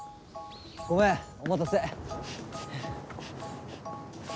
ごめん、お待たせ。